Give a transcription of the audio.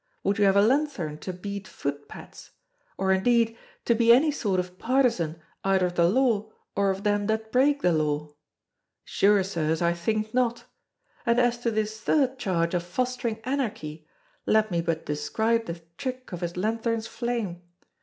Would you have a lanthorn to beat footpads? Or, indeed, to be any sort of partisan either of the Law or of them that break the Law? Sure, Sirs, I think not. And as to this third charge of fostering anarchy let me but describe the trick of this lanthorn's flame.